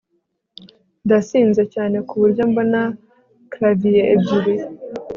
Ndasinze cyane kuburyo mbona clavier ebyiri